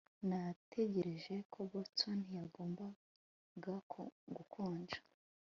Natekereje ko Boston yagombaga gukonja